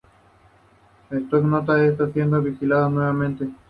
Spock nota que están siendo vigilados nuevamente.